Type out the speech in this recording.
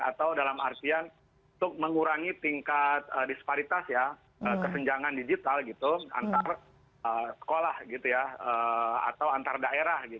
atau dalam artian untuk mengurangi tingkat disparitas kesenjangan digital antar sekolah atau antar daerah